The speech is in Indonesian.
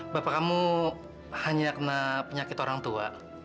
bapak kamu hanya kena penyakit orang tua